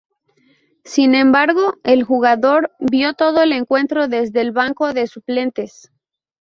Sin embargo, el jugador vio todo el encuentro desde el banco de suplentes.